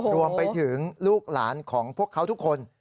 รวมไปถึงลูกหลานของพวกเขาทุกคน